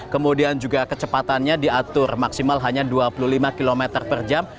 kemudian juga kecepatannya diatur maksimal hanya dua puluh lima km per jam